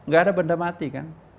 gak ada benda mati kan